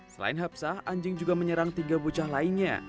selain hapsah anjing juga menyerang tiga bocah lainnya